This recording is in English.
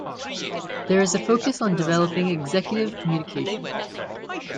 There is a focus on developing executive communication.